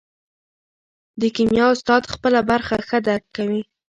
د کیمیا استاد خپله برخه ښه درک کوي.